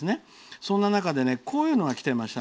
そんな中でこういうのがきてました。